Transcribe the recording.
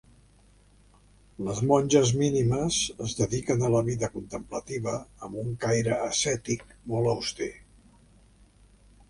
Les monges mínimes es dediquen a la vida contemplativa amb un caire ascètic molt auster.